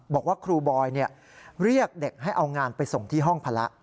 บอกว่าครูบอยเรียกเด็กให้เอางานไปส่งที่ห้องพระ